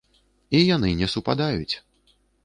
І яны не супадаюць.